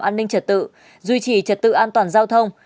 an ninh trật tự duy trì trật tự an toàn giao thông